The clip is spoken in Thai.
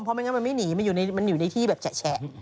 เพราะไม่งั้นมันไม่หนีมันอยู่ในที่แบบแฉะ